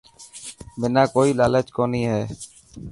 منا ڪوئي لالچ ڪوني هي.